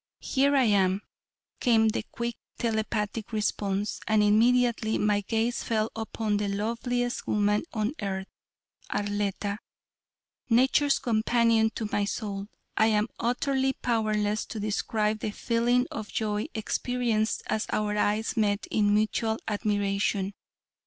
"Here I am," came the quick telepathic response, and immediately my gaze fell upon the loveliest woman on earth Arletta nature's companion to my soul. I am utterly powerless to describe the feeling of joy experienced as our eyes met in mutual admiration.